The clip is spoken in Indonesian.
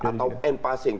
atau m passing